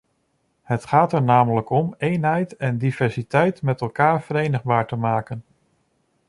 Het gaat er namelijk om eenheid en diversiteit met elkaar verenigbaar te maken.